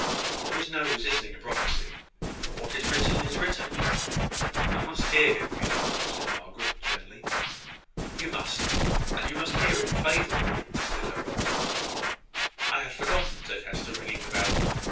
There is no resisting a prophecy. What is written is written." "I must hear him, you know," said Margaret, gently. "You must; and you must hear him favourably," said her brother. "I had forgotten," said Hester, ringing the bell.